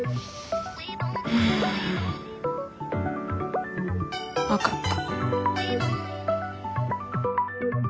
うん。分かった。